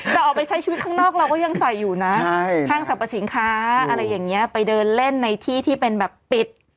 แต่ออกไปใช้ชีวิตข้างนอกเราก็ยังใส่อยู่นะห้างสรรพสินค้าอะไรอย่างนี้ไปเดินเล่นในที่ที่เป็นแบบปิด